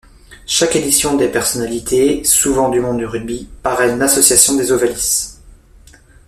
Chaque édition, des personnalités, souvent du monde du rugby, parrainent l'association des Ovalies.